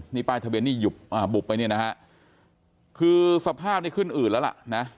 นี่ปลายทะเบนนี่หยุบอ่าบุบไปเนี่ยนะฮะคือสภาพได้ขึ้นอื่นแล้วล่ะนะ